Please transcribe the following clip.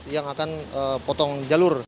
yang akan potong jalur